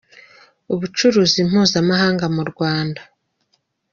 Ubucuruzi mpuzamahanga mu Rwanda.